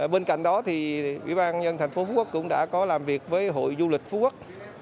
bên cạnh đó thì ubnd thành phố phú quốc cũng đã có làm việc với hội du lịch phú quốc